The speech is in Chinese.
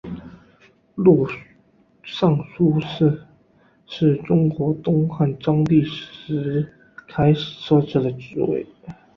录尚书事是中国东汉章帝时开始设置的职位。